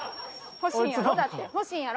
欲しいんやろ？